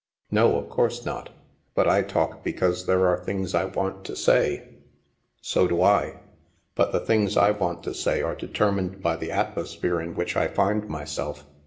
"" No, of course not. But I talk because there are things I want to say." 8o THE MASK " So do I. But the things I want to say are de termined by the atmosphere in which I find myself.